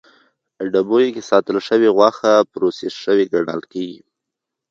ډبیو کې ساتل شوې غوښه د پروسس شوې ګڼل کېږي.